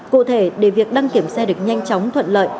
cụ thể để việc đăng kiểm xe được nhanh chóng thuận lợi